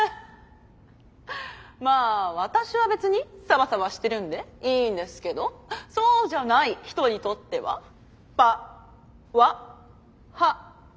まあ私は別にサバサバしてるんでいいんですけどそうじゃない人にとってはパワハラか？